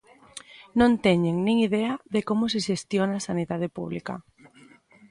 Non teñen nin idea de como se xestiona a sanidade pública.